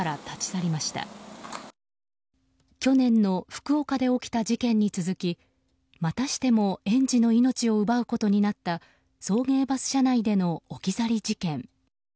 去年の福岡で起きた事件に続きまたしても園児の命を奪うことになった送迎バス車内での置き去り事件。